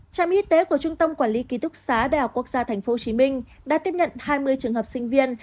trạm y tế của trung tâm quản lý ký thúc xá đh tp hcm đã tiếp nhận hai mươi trường hợp sinh viên